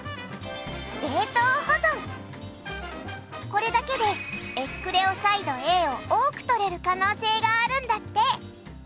これだけでエスクレオサイドＡを多くとれる可能性があるんだって！